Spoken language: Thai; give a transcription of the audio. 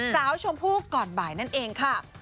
ชมพู่ก่อนบ่ายนั่นเองค่ะ